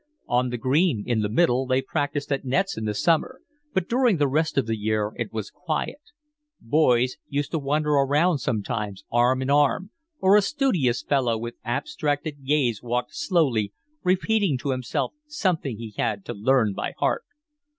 On the green in the middle they practised at nets in the summer, but during the rest of the year it was quiet: boys used to wander round sometimes arm in arm, or a studious fellow with abstracted gaze walked slowly, repeating to himself something he had to learn by heart.